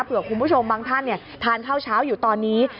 คุณผู้ชมบางท่านทานข้าวเช้าอยู่ตอนนี้